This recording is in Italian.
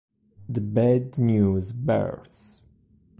The Bad News Bears